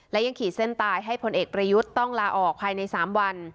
และยังขีดเส้นตายให้พลเอกประยุทธ์ต้องลาออกภายใน๓วัน